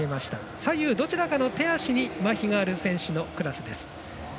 左右どちらかの手足にまひがある選手クラスです。